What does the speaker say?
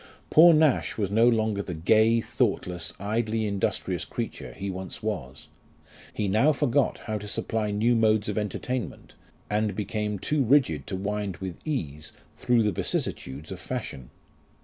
Poor Nash was no longer the gay, thoughtless, idly industrious creature he once was ; he now forgot how to supply new modes of entertainment, and became too rigid to wind with ease through the vicissitudes of fashion.